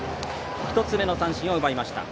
１つ目の三振を奪いました。